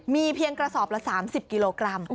มีเพียงกระสอบละ๓๐กิโลกรัม